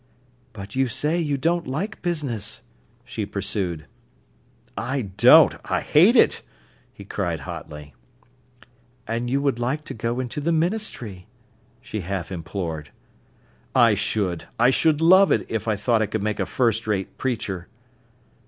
"But you say you don't like business," she pursued. "I don't. I hate it!" he cried hotly. "And you would like to go into the ministry," she half implored. "I should. I should love it, if I thought I could make a first rate preacher."